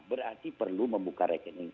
berarti perlu membuka rekening